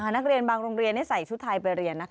นักเรียนบางโรงเรียนใส่ชุดไทยไปเรียน